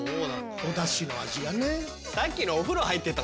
おだしの味がね。